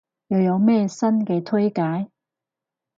又有咩新嘢推介？